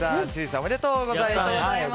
おめでとうございます。